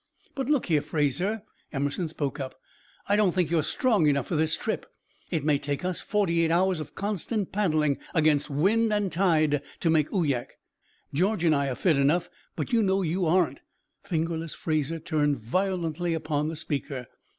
"But, look here, Fraser," Emerson spoke up, "I don't think you are strong enough for this trip. It may take us forty eight hours of constant paddling against wind and tide to make Uyak. George and I are fit enough, but you know you aren't " "Fingerless" Fraser turned violently upon the speaker.